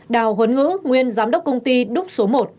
đào huấn ngữ nguyên giám đốc công ty đúc số một